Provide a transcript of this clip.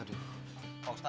udung satu mascha